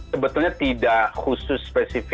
sebetulnya tidak khusus